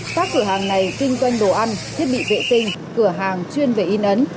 các cửa hàng này kinh doanh đồ ăn thiết bị vệ tinh cửa hàng chuyên về in ấn